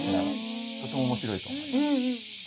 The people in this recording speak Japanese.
とても面白いと思います。